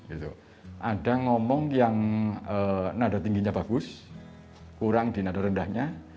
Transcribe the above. ada ngomong yang nada tingginya bagus kurang di nada rendahnya